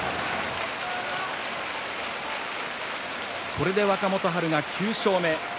これで若元春が９勝目。